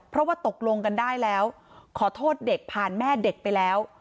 เพราะว่าตกลงกันได้แล้วขอโทษเด็กผ่านแม่เด็กไปแล้ว